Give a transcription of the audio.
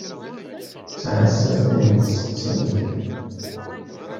Ttɛassat ayen tettettem.